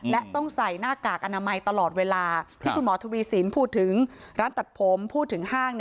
และต้องใส่หน้ากากอนามัยตลอดเวลาที่คุณหมอทวีสินพูดถึงร้านตัดผมพูดถึงห้าง